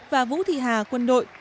và vũ thị hà quân đội